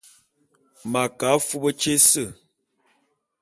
M'a ke afub tyé ése.